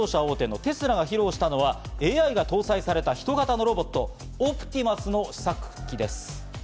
アメリカの電気自動車大手のテスラが披露したのはＡＩが搭載された人型のロボット・オプティマスの試作機です。